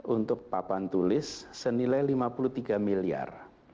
untuk papan tulis senilai lima puluh tiga miliar